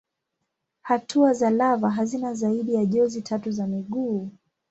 Hatua za lava hazina zaidi ya jozi tatu za miguu.